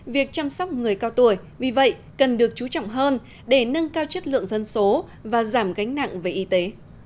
việc chăm sóc người cao tuổi vì vậy cần được chú trọng hơn để nâng cao chất lượng dân số và giảm gánh nặng về y tế